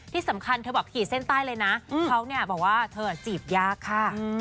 ที่สำคัญเธอบอกขี่เส้นใต้เลยนะเขาเนี่ยบอกว่าเธอจีบยากค่ะ